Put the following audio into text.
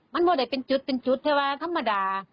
มันไม่ได้เป็นจุดเป็นจุดที่ว่าธรรมดา